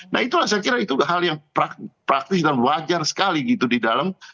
nah itulah saya kira itu hal yang praktis dan wajar sekali gitu di dalam